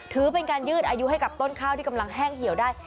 ถือเป็นการยืดอายุให้กับต้นข้าวที่กำลังแห้งเหี่ยวได้